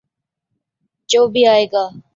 جو بھی آئے گا۔